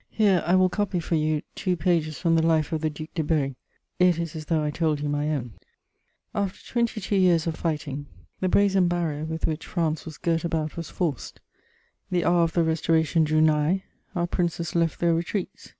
* Here I will copy for you two pages from the Life of the Duc de Berry; it is as though I told you my own: "After twenty two years of fighting, the brazen barrier with which France was girt about was forced: the hour of the Restoration drew nigh; our Princes left their retreats.